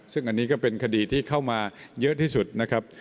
ซึ่งอันนี้ก็เป็นคดีที่เข้ามาเยอะที่สุดนะครับ